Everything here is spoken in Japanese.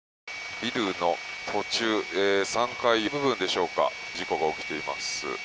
ビルの途中３階部分でしょうか事故が起きています。